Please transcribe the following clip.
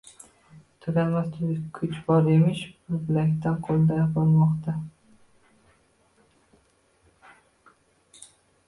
Tuganmas kuch bor emish ul bilakda, qoʻlda barmoqda